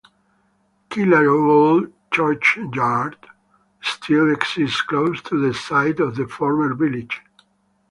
Kilarrow Old Churchyard still exists close to the site of the former village.